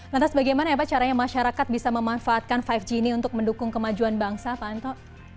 lantas bagaimana ya pak caranya masyarakat bisa memanfaatkan lima g ini untuk mendukung kemajuan bangsa pak anto